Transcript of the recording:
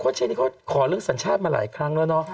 โควดชัยนี่เขาขอเรื่องสัญชาติมาหลายครั้งแล้ว